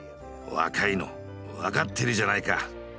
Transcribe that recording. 「若いの分かってるじゃないか！」